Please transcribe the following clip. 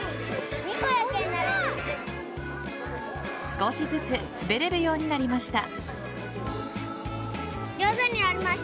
少しずつ滑れるようになりました。